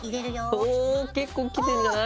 お結構きてんじゃない？